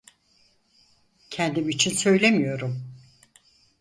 Kendim için söylemiyorum…